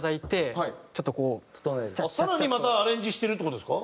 更にまたアレンジしてるっていう事ですか？